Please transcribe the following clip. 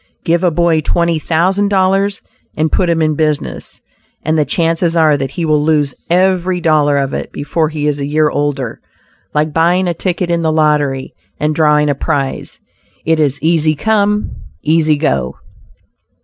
Give a boy twenty thousand dollars and put him in business, and the chances are that he will lose every dollar of it before he is a year older. Like buying a ticket in the lottery; and drawing a prize, it is "easy come, easy go."